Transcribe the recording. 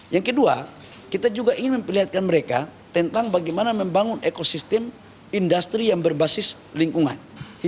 yang kedua kita juga ingin memperlihatkan mereka tentang bagaimana membangun ekosistem industri yang berbasis lingkungan